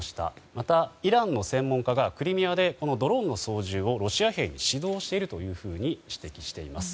また、イランの専門家がクリミアでこのドローンの操縦をロシア兵に指導していると指摘しています。